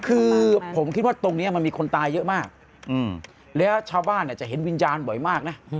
คือผมคิดว่าตรงนี้มันมีคนตายเยอะมากแล้วชาวบ้านจะเห็นวิญญาณบ่อยมากนะ